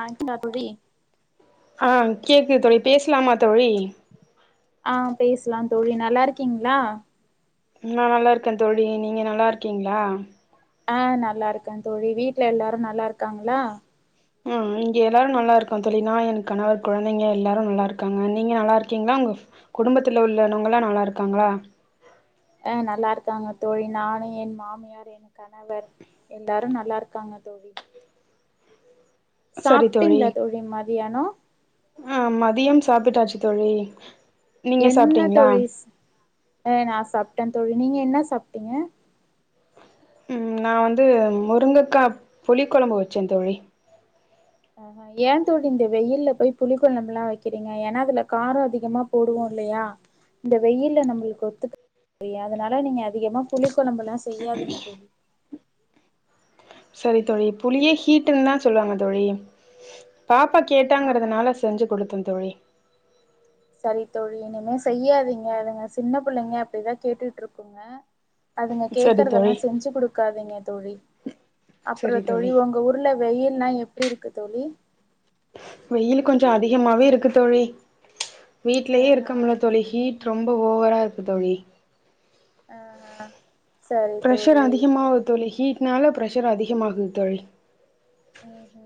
ஆ சாபுபி ஆஹ் கேக்குது தோழி பேசலாமா தோழி ஆஹ் பேசலாம் தோழி நல்லா இருக்கீங்களா நங நல்லா இருக்கேன் தோழி நீங்க நல்லா இருக்கீங்களா ஆஹ் நல்லா இருக்கேன் தோழி வீட்டு்ல எல்லாரு நல்லா இருக்காங்களா ம் இங்க எல்லாரும் நல்லா இருக்கும் தோழி நா என் கணவர் குழந்தைங்க எல்லாரும் நல்லா இருக்காங்க நீங்க நல்லா இருக்கீங்களா உங்க குடும்பத்துல உள்ளவங்களாம் நல்லா இருக்காங்களா அஹ் நல்லா இருக்காங்க தோழி நானும் என் மாமியார் என் கணவர் எல்லாரும் நல்லா இருக்காங்க தோழி சரி சாப்பிட்டீங்களா தோழி மதியானம் ஆஹ் மதியம் சாப்பிட்டாச்சு தோழி நீங்க என்ன சாப்ட்டீங்களா தோழி அஹ் நான் சாப்பிட்டேன் தோழி நீங்க என்ன சாப்பிட்டீங்க உம் நான் வந்து முருங்கைக்கா புழி குழம்பு வச்சேன் தோழி ஆஹஹ ஏன் தோழி இந்த வெயில்ல போய் புளி குழம்பு எல்லாம் வைக்கிறீங்க ஏன்னா அதுல காரம் அதிகமா போடுவோம் இல்லையா இந்த வெயில் நம்மளுக்கு ஒத்துக்க அதனால நீங்க அதிகமா புளி குழம்பு எல்லாம் செய்யாதீங்க தோழி சரி தோழி புளியே ஹீடுன்னு தான் சொல்லுவாங்க தோழி பாப்பா ஆமாம் கேட்டாங்கிறதுனால செஞ்சு குடுத்தேன் தோழி சரித்தோழி இனிமே செய்யாதீங்க அதுங்க சின்ன பிள்ளைங்க அப்படிதான் கேட்டுட்டு இருக்கோங்க அதுங்க சரி தோழி கேக்குறதெல்லாம் செஞ்சு குடுக்காதிங்க தோழி சரி அப்புறத்தோழி தோழி உங்க ஊர்ல வெயில்லாம் எப்டி இருக்கு தோழி வெயில் கொஞ்சம் அதிகமாவே இருக்கு தோழி வீட்டிலேயே இருக்க முடில தோழி ஹீட் ரொம்ப ஓவராக இருக்கு தோழி அ அ பிரஷர் அதிகமா ஆவுது தோழி ஹீட் நால ப்ரெஷர் அதிகமாகு தோழி அ ஹ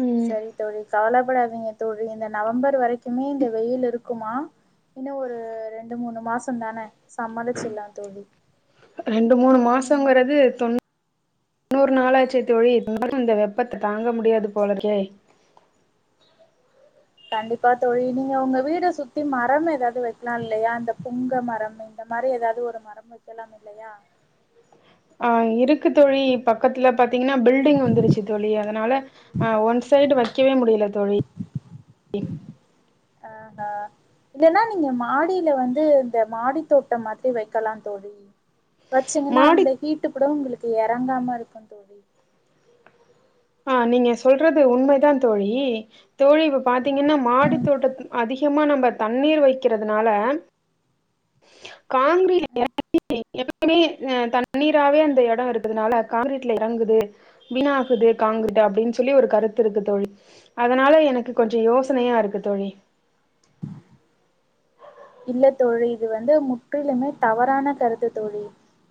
ம் சரி தோழ கவலபடாதீங்க தோழி இந்த நவம்பர் வரைக்குமே இந்த வெயில் இருக்குமா இன்னும் ஒரு ரெண்டு மூணு மாசம் தானே ரெண்டு மூணு ஆ நீங்க மாசங்கிறது தொண்ணு முன்னூறு நாலாய்ட்சி தோழி இந்த வெப்பத்தை தாங்க முடியாது போலக்கே கண்டிப்பா தோழி நீங்க உங்க வீடு சுத்தி மரம் எதாவது வைக்கலாம் இல்லையா இந்த புங்க மரம் இந்த மாரி ஏதாவது ஒரு மரம் வைக்கலாம் இல்லையா ஆஹ் இருக்கு தோழி பக்கத்துல பாத்தீங்கன்னா பில்டிங் வந்துருச்சு தோழி அதனால ஒன் சைடு வச்ச வைக்கவே முடில தோழி ழி ஆஹா இல்லைன்னா நீங்க மாடியில வந்து இந்த மாடி தோட்டம் மாத்திரி வைக்கலா தோழி வச்சுங்கன்னா மாடி அந்த ஹீட்டு கூட உங்களுக்கு இறங்காம இருக்கும் தோழி ஆஹ் நீங்க சொல்றது உண்மைதான் தோழி தோழி இப்ப பாத்து திங்கன்ன மாடி தோட்டது அதி முக்கியமா நம்ம தண்ணீர் வைக்கிறதுனால காங்கிரீட் எப்பமே தண்ணீரவே அந்த இடம் இருக்குதுனால காங்கிரீட்ல இறங்குது வீணாகுது காங்கிட்ட அப்டின்னு சொல்லி ஒரு கருத்து இருக்கு தோழி அதனால எனக்கு கொஞ்சம் யோசனையா இருக்கு தோழி இல்ல தொழி இது வந்து முற்றிலுமே தவறான கருத்துத்து தோழி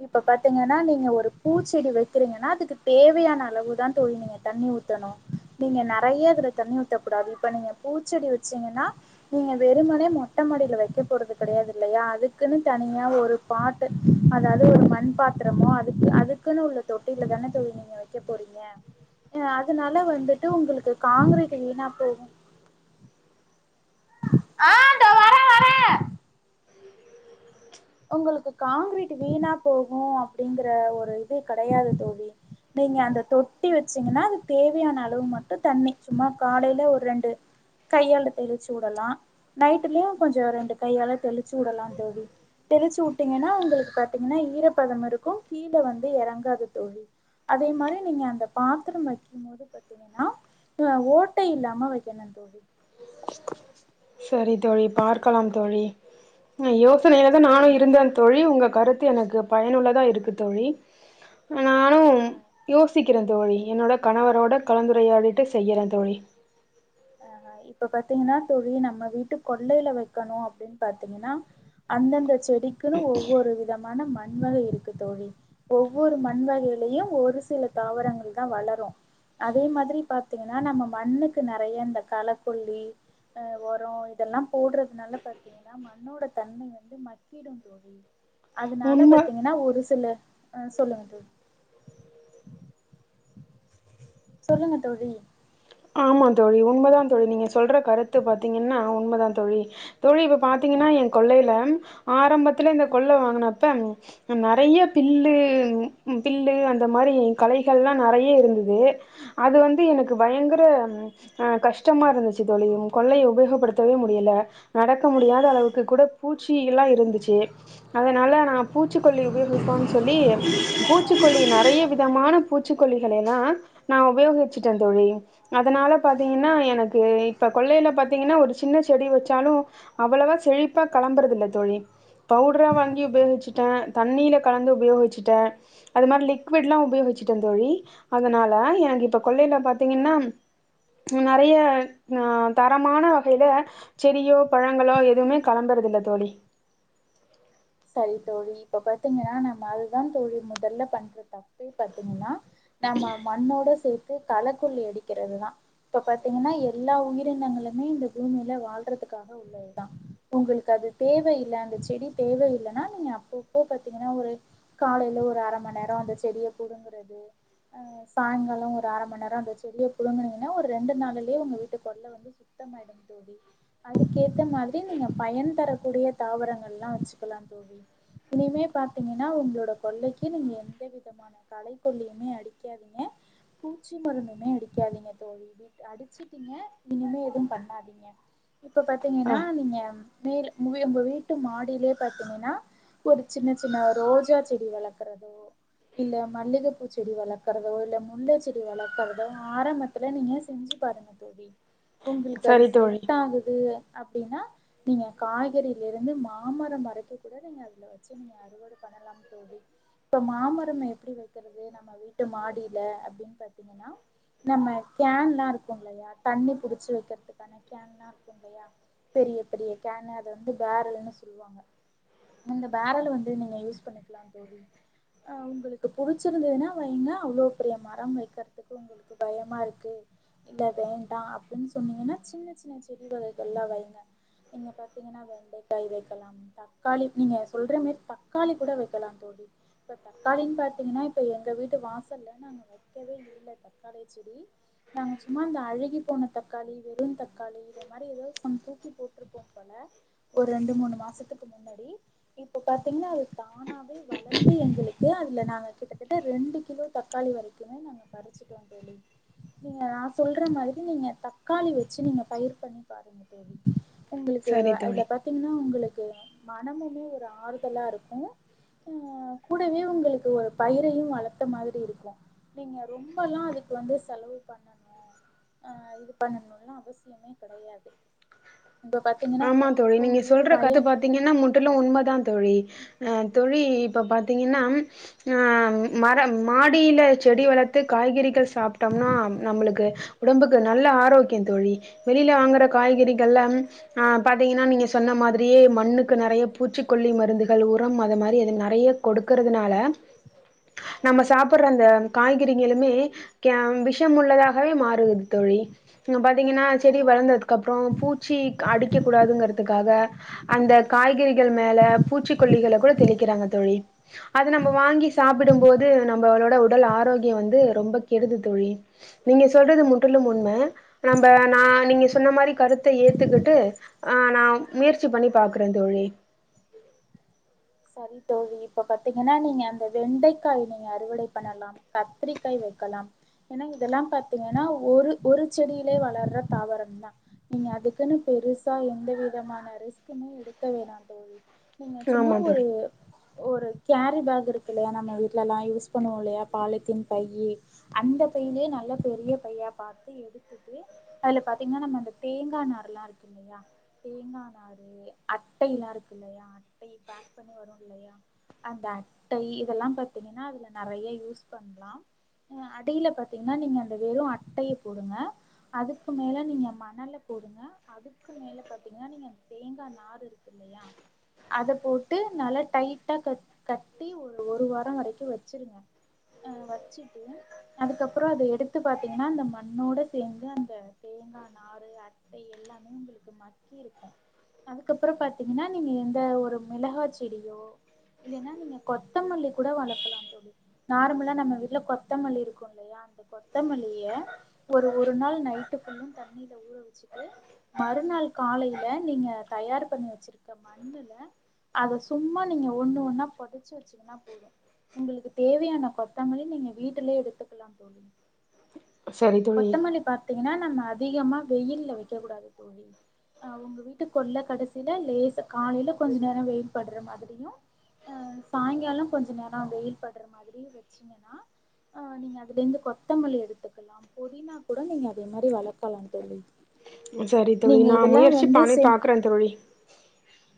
இப்ப பாத்தீங்கன்னா நீங்க ஒரு பூச்செடி வைக்கிறீங்கன்னா அதுக்கு தேவையான அளவுதான் தொழி நீங்க தண்ணி ஊத்தணும் நீங்க நிறைய அதுல தண்ணி ஊத்தக்கூடாது இப்ப நீங்க பூச்செடி வச்சீங்கன்னா நீங்க வெறும்மனே மொட்டமாடில வைக் விட்டுப் போறது கெடையாது இல்லையா அதுக்குன்னு தனியா ஒரு பாட்டு அதாவது ஒரு மண்பாத்திரமோ அதுக்கு அதுக்குன்னு உள்ள தொட்டில தான தோழி நீங்க வக்க போறீங்க அஹ் அதுனால வந்துட்டு உங்களுக்கு காங்கிரீட் வீணா போகும் ஆஹ் தோ வரேன் வரேன் உங்களுக்கு காங்கிரீட் வீணா போகும் அப்டிங்கிற ஒரு இது கெடையாது தோழி நீங்க அந்த தொட்டி வச்சீங்கன்னா அதுக்கு தேவையான அளவு மட்டும் தண்ணி சும்மா காலேல ஒரு ரெண்டு கையால தெளிச்சு வுடலாம் நைட்டுமு கொஞ்சம் ரெண்டு கையால தெளிச்சு வுடலாம் தோழி தெளுச்சு வுட்டீங்கன்னா உங்களுக்கு பாத்தீங்கன்னா ஈரப்பதம் இருக்கும் கீழ வந்து இறங்காது தோழி அதே மாரி நீங்க அந்த பாத்திரம் வைக்கும் போது பாத்தீங்கன்னா ஆஹ் ஓட்ட இல்லாம வக்கணும் தோழி சரி தோழி பார்க்கலாம் தோழி ஆஹ் யோசனைல தான் நானும் நீங்க இருந்தேன் தோழி உங்க கருத்து எனக்கு பயனுள்ளதா இருக்கு தோழி நானும் யோசிக்கிறேன் தோழி என்னோட கணவரோட கலந்துரையாடிட்டு செய்யறேன் தோழி இப்ப பாத்தீங்கன்னா தோழி நம்ம வீட்டு கொள்ளையில வைக்கணும் அப்டின்னு பாத்தீங்கன்னா அந்தந்த செடிக்குன்னு ஒவ்வொரு விதமான மண் வகை இருக்கு தோழி ஒவ்வொரு மண் வகையிலயும் ஒரு சில தாவரங்கள் தான் வளரும் அதே மாதிரி பாத்தீங்கன்னா நம்ம மண்ணுக்கு ந நெறைய இந்த களக்கொல்லி அஹ் உரம் இதெல்லாம் போட்றதுனால பாத்தீங்கன்னா மண்ணோட தன்மை வந்து மக்கீடும் தோழி அதுனால உண்ம பாத்தீங்கன்னா ஒரு துல்ல ஆஹ் சொல்லுங்க தோழி சொல்லுங்க தோழி ஆமா தோழி உண்மதான் தோழி நீங்க சொல்ற கருத்து பாத்தீங்கன்னா உண்மதான் தோழி தோழி இப்போ பாத்திங்கன்னா என் கொல்லைல ஆரம்பத்துல இந்த கொள்ளை வாங்கினப்ப நெறைய பில்லு பில்லு அந்த மாரி கலைகள்லாம் நெறைய இருந்தது அது வந்து எனக்கு பயங்கர ஆஹ் கஷ்டமா இருந்துச்சு தோழி கொள்ளைய உபயோகப்படுத்தவே முடியல நடக்க முடியாத அளவுக்கு கூட பூச்சி எல்லாம் இருந்துச்சு அதனால நான் பூச்சிக்கொல்லி உபயோகிப்போம்ன்னு சொல்லி பூச்சிக்கொல்லி நெறைய விதமான பூச்சிக்கொல்லிகளேலாம் நான் உபயோகிச்சுட்டேன் தோழி அதனால பாத்தீங்கன்னா எனக்கு இப்ப கொள்ளேல பாத்தீங்கன்னா ஒரு சின்ன செடி வச்சாலும் அவ்வளவா செழிப்பா கெளம்புறது இல்ல தோழி பவுடரா வாங்கி உபயோகிச்சுட்டேன் தண்ணீல கலந்து உபயோகிச்சுட்டேன் அது மாரி லிக்விட்ல்லாம் உபயோகிச்சுட்டேன் தோழி அதனால எனக்கு இப்ப கொள்ளேல பாத்தீங்கன்னா நெறைய ஆஹ் தரமான வகையில செடியோ பழங்களோ எதுவுமே கிளம்புறது இல்ல தோழி சரி தோழி இப்ப பாத்தீங்கன்னா நம்ம அதுதான் தோழி முதல்ல பண்ற தப்பே பாத்தீங்கன்னா நம்ம மண்ணோட சேத்து களக்கொல்லி அடிக்கிறது தான் இப்ப பாத்தீங்கன்னா எல்லா உயிரினங்களுமே இந்த பூமில வாழ்றதுக்காக உள்ளதுதான் உங்களுக்கு அது தேவயில்ல அந்த செடி தேவயில் இல்லனா நீங்க அப்பப்போ பாத்தீங்கன்னா ஒரு காலேல ஒரு அர மண் நேரம் அந்த செடிய புடுங்குறது அஹ் சாங்காலம் ஒரு அர மண் நேரம் அந்த செடிய புடுங்குனீங்கன்னா ஒரு ரெண்டு நாளேலயே உங்க வீட்டு கொள்ள வந்து சுத்தமாயிடும் தோழி அதுக்கேத்த மாரி நீங்க பயன் தரக்கூடிய தாவரங்கள் எல்லாம் வச் கலாம் தோழி இனிமே பாத்தீங்கன்னா உங்களோட கொள்ளைக்கு நீங்க எந்த விதமான களை கொல்லியுமே அடிக்காதீங்க பூச்சி மருந்துமே அடிக்காதீங்க தோழி வி் அடிச்சுட்டீங்க இனிமே எதுவும் பண்ணாதீங்க இப்ப ஆ பாத்தீங்கன்னா நீங்க மேல் மு உங்க வீட்டு மாடிலயே பாத்தீங்கன்னா ஒரு சின்ன சின்ன ரோஜா செடி வளக்குறதோ இல்ல மல்லிகைப்பூ செடி வளக்கறதோ இல்ல முல்ல செடி வளக்குறதோ ஆரம்பத்துல நீங்க செஞ்சு பாருங்க தோழி உங்களுக்கு அது சரி தோழி செட் ஆகுது அப்படின்னா நீங்க காய்கறில இருந்து மாமர ம வக்கக்கூட அதுல நீங்க வச்சு நீங்க அறுவட பண்ணலாம் தோழி இப்ப மாமரம் எப்டி வைக்கிறது நம்ம வீட்டு மாடில அப்டின்னு பாத்தீங்கன்னா நம்ம கேன்ல்லாம் இருக்கு இல்லையா தண்ணி புடிச்சு வைக்கிறதுக்கான கேன்ல்லாம் இருக்கு இல்லையா பெரிய பெரிய கேன் அது வந்து பேரல்னு சொல்லுவாங்க இந்த பேரல வந்து நீங்க யூஸ் பண்ணிக்கலாம் தோழி ஆஹ் உங்களுக்கு புடிச்சிருந்ததுன்னா வைங்க அவ்ளோ பெரிய மரம் வைக்கிறதுக்கு உங்களுக்கு பயமா இருக்கு இல்ல வேண்டாம் அப்டின்னு சொன்னீங்கன்னா சின்ன சின்ன செடி வகைகள்லாம் வைங்க நீங்க பாத்தீங்கன்னா வெண்டைக்காய் வைக்கலாம் தக் தக்காளி நீங்க சொல்ற மாரி தக்காளி கூட வைக்கலாம் தோழி இப்ப தக்காளின்னு பாத்தீங்கன்னா இப்ப எங்க வீட்டு வாசல்ல நாங்க வைக்கவே இல்ல தக்காளி செடி நாங்க சும்மா இந்த அழுகி போன தக்காளி வெறும் தக்காளி இத மாரி ஏதோ சம் தூக்கி போட்ருப்போம் போல ஒரு ரெண்டு மூணு மாசத்துக்கு க்கு முன்னாடி இப்ப பாத்தீங்கன்னா அது தானாவே வளந்து எங்களுக்கு அதுல நாங்க கிட்டத்தட்ட ரெண்டு கிலோ தக்காளி வரைக்குமே நாங்க பறிச்சுட்டோம் தோழி நீங்க நான் சொல்ற மாரி நீங்க தக்காளி வச்சு நீங்க பயிர் பண்ணி பாருங்க தோழி உங்களுக்கு சரி தோழி அதுல பாத்தீங்கன்னா உங்களுக்கு கோ [unintelligible] மனமுமே ஒரு ஆறுதலா இருக்கும் அஹ் கூடவே உங்களுக்கு ஒரு பயிரையும் வளத்த மாதிரி இருக்கும் நீங்க ரொம்பல்லாம் அதுக்கு வந்து செலவு பண்ணணும் ஆஹ் இது பண்ணணும்லாம் அவசியமே கெடையாது இப்ப பாத்தீங்கன்னா ஆமாந் தோழி நீங்க உங்க ஊரு சொல்ற கத வயல் பாத்தீங்கன்னா முன் முற்றிலும் உண்மதான் தோழி அஹ் தோழி இப்ப பாத்தீங்கன்னா ஆஹ் மரம் மாடியில செடி வளர்த்து காய்கறிகள் சாப்பிட்டோம்னா நம்மளுக்கு உடம்புக்கு நல்ல ஆரோக்யம் தோழி வெளில வாங்குற காய்கறிகள்ல ஆஹ் பாத்தீங்கன்னா நீங்க சொன்ன மாதிரியே மண்ணுக்கு நெறைய பூச்சிக்கொல்லி மருந்துகள் உரம் அது மாரி அது நெறைய கொடுக்கறதுனால நம்ம சாப்புடுற அந்த காய்கறிகளுமே கேஹ் விஷம் உள்ளதாகவே மாறுது தோழி நம்ப பாத்தீங்கன்னா செடி ஆமா தோழி வளந்ததுக்கு அப்றம் பூச்சி அடிக்கக் கூடாதுங்கிறதுக்காக அந்த காய்கறிகள் மேல பூச்சிக்கொல்லிகள கூட தெளிக்கிறாங்க தோழி அது நம்ம வாங்கி சாப்டும்போது நம்மளோட உடல் ஆரோக்யம் வந்து ரொம்ப கெடுது தோழி நீங்க சொல்றது முற்றிலும் உண்ம நம்ப நா நீங்க சொன்ன மாரி கருத்தை ஏத் த்துக்கிட்டு ஆஹ் நா முயற்சி பண்ணி பாக்குறே தோழி சரி தோழி இப்ப பாத்திங்கன்னா நீங்க அந்த வெண்டைக்கா நீங்க அறுவடை பண்ணலாம் கத்திரிக்கா வைக்கலாம் ஏன்னா இதெல்லாம் பாத்தீங்கன்னா ஒரு ஒரு செடியிலே வளர்ற தாவரம்தா நீங்க அதுக்குன்னு பெருசா எந்த விதமான ரிஸ்க்குமே எடுக்க வேணா தோழி நீங்க சும்மா ஒரு வித ஒரு கேரி பேக் இருக்குல்லையா நம்ம வீட்டுலாம் யூஸ் பண்ணுவோம் இல்லயா பாலித்தீன் பைய்யி அந்த பைய்யிலயே நல்ல பெரிய பையா பாத்து எடுத்துட்டு அதுல பாத்தீங்கன்னா நம்ம அந்த தேங்கா நார்ல்லாம் இருக்கு இல்லையா தேங்கா நாறு அட்டை லாம் இருக்கு இல்லையா அட்டை பே க் பண்ணி வரும் இல்லியா அந்த அட்டை இதெல்லாம் பாத்தீங்கன்னா அதுல நறைய யூஸ் பண்லாம் ஆஹ் அடில பாத்தீங்கன்னா நீங்க அந்த வெறும் அட்டைய போடுங்க அதுக்கு மேல நீங்க மணல போடுங்க அதுக்கு மேல பாத்தீங்கனா நீங்க தேங்கா நாறு இருக்குல்லையா அத போட் ட்டு நல்லா டைட்டா கட் கட்டி ஒரு ஒரு வாரம் வரைக்கு வச்சிருங்க அஹ் வச்சுட்டு அதுக்கப்றம் அத எடுத்து பாத்தீங்கன்னா அந்த மண்ணோட சேந்து அந்த தேங்கா நாறு அட்டை எல்லாமே உங்களுக்கு மக்கி இருக்கு அதுக்கப்புறம் பாத்தீங்கன்னா நீங்க எந்த ஒரு மிளகா செடியோ இல்லன்னா நீங்க கொத்தமல்லி கூட வளக்கலா தோழி நார்மலா நம்ம வீட்ல கொத்தமல்லி இருக்கும் இல்லையா அந்த கொத்தமல்லிய ஒரு ஒரு நாள் நைட்டு ஃபுல்லும் தண்ணியில ஊற வச்சுட்டு மறுநாள் காலையில நீங்க தயார் பண்ணி வச்சிருக்குற மண்ணுல அத சும்மா நீங்க ஒண்ணு ஒன்னா பொதாச்சு வச்சீங்கன்னா போதும் உங்களுக்கு தேவையான கொத்தமல்லி நீங்க வீட்டுலயே எடுத்துக்கலா தோழி சரி தோழி கொத்தமல்லி பாத்தீங் ஏன்னா நம்ம அதிகமா வெயில்ல வைக்கக் கூடாது தோழி் அஹ் உங்க வீட்டு கொள்ள கடைசியில லேச காலையில கொஞ்ச நேரம் வெயில் படுற மாத்ரியும் அஹ் சாயங்காலம் கொஞ்ச நேரம் வெயில் படுற மாத்ரியும் வச்சீங்கன்னா அஹ் நீங்க அதுல இருந்து கொத்தமல்லி எடுத்துக்கலா புதினா கூட நீங்க அதே மாரி வளக்கலா தோழி சரித்தோழி நீங்க நா இதெல்லா முயற்சி வந்து பண்ணி சே பாக்குறே தோழி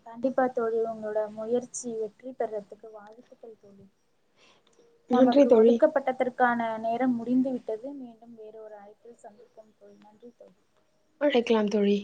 கண்டிப்பா [unintelligible] தோழி ஒங்களோட முயற்ச்சி வெற்றி பெற்றத்துக்கு வாழ்த்துக்கள் தோழி நன்றி நமக்கு தோழி ஒதுக்கப்பட்டதற்கான நே ரம் முடிந்து விட்டது மீண்டும் வேற ஒரு அழைப்பில் சந்திப்போம் தோழி நன்றி தோழி அழைக்கலாம் தோழி